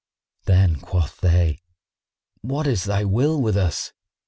Then quoth they, "What is thy will with us?"